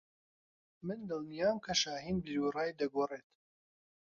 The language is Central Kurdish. من دڵنیام کە شاھین بیروڕای دەگۆڕێت.